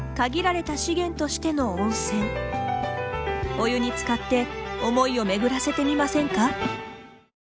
お湯につかって思いを巡らせてみませんか。